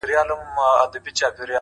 o د دوبي ټکنده غرمې د ژمي سوړ سهار مي؛